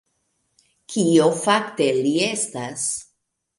Kio fakte li estas?